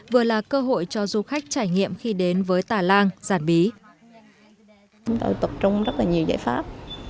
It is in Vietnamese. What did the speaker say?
vừa là cơ hội cho du khách trải nghiệm